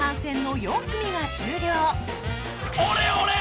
俺俺！